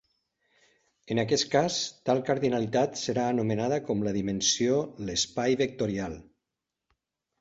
En aquest cas, tal cardinalitat serà anomenada com la dimensió l'espai vectorial.